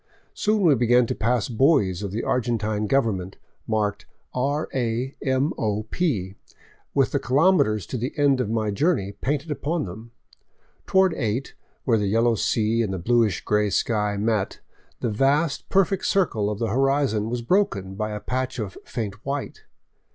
Soon we began to pass buoys of the Argen tine government, marked " R. A. m. o. p.," with the kilometers to the end of my journey painted upon them. Toward eight, where the yellow sea and the bluish gray sky met, the vast, perfect circle of the horizon was broken by a patch of faint white.